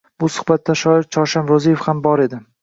Bu suhbatda shoir Chorsham Ro’ziyev ham bor edi.